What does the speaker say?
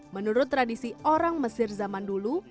menurut tradisi orang mesir zaman dulu